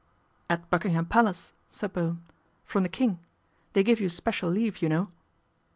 " At Buckingham Palace," said Bowen, " from the King. They give you special leave, you know."